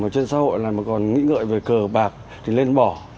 trên xã hội này mà còn nghĩ ngợi về cờ bạc thì lên bỏ